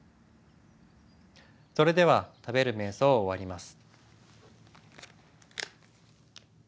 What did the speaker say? それでは食べる瞑想を終わります。